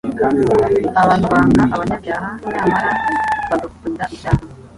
Abantu banga abanyabyaha nyamara bagakupda icyaha.